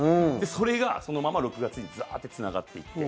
それがそのまま６月につながっていって。